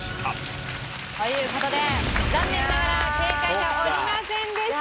という事で残念ながら正解者おりませんでした！